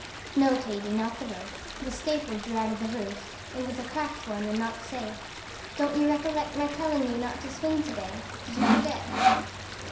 "No, Katy, not the rope. The staple drew out of the roof. It was a cracked one, and not safe. Don't you recollect my telling you not to swing to day? Did you forget?"